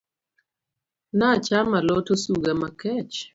Nachamo alot osuga makech